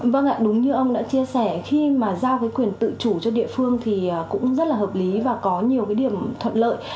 vâng ạ đúng như ông đã chia sẻ khi mà giao cái quyền tự chủ cho địa phương thì cũng rất là hợp lý và có nhiều cái điểm thuận lợi